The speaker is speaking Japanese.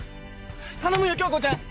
頼むよ響子ちゃん。